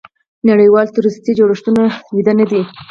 نړیوال تروریستي جوړښتونه ویده نه دي.